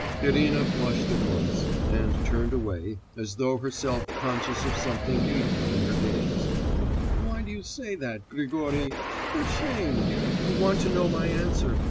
Irina flushed at once, and turned away, as though herself conscious of something evil in her gaze. 'Why do you say that, Grigory? For shame! You want to know my answer